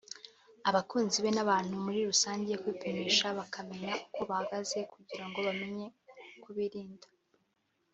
abakunzi be n’abantu muri rusange kwipimisha bakamenya uko bahagaze kugira ngo bameye uko birinda